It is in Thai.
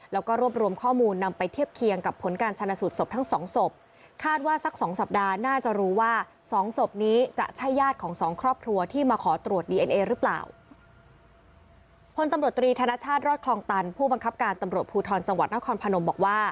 แล้วก็รวบรวมข้อมูลนำไปเทียบเคียงกับผลการชนะสูดสบทั้ง๒สบ